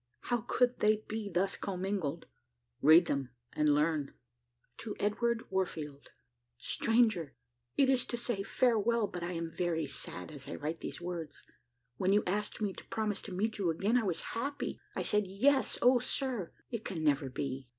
how could they be thus commingled? Read them, and learn: "To Edward Warfield, "Stranger! It is to say farewell, but I am very sad as I write these words. When you asked me to promise to meet you again, I was happy, I said, Yes. O sir! it can never be!